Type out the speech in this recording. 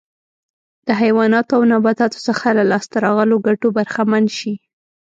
د حیواناتو او نباتاتو څخه له لاسته راغلو ګټو برخمن شي.